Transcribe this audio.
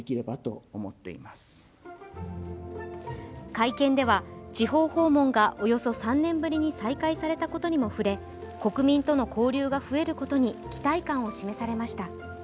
会見では、地方訪問がおよそ３年ぶりに再開されたことにも触れ国民との交流が増えることに期待感を示されました。